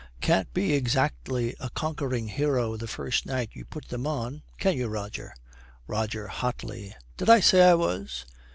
Can't be exactly a conquering hero the first night you put them on, can you, Roger?' ROGER, hotly, 'Did I say I was?'